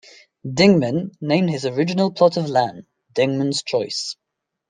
Dingman named his original plot of land Dingman's Choice.